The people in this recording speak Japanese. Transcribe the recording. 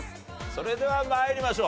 それでは参りましょう。